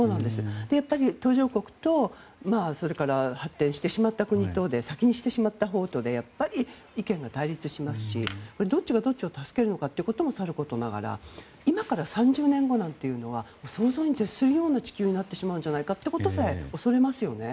途上国とそれから発展してしまった国先にしてしまったほうとでやっぱり意見が対立しますしどっちがどっちを助けるのかということもさることながら今から３０年後は想像に絶するような地球になってしまうことさえ恐れますよね。